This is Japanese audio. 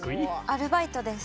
アルバイトです。